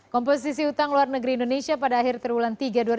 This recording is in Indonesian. komposisi utang luar negeri indonesia pada akhir triwulan tiga dua ribu dua puluh